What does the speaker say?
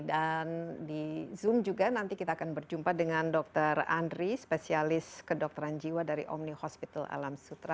dan di zoom juga nanti kita akan berjumpa dengan dr andri spesialis kedokteran jiwa dari omni hospital alam sutera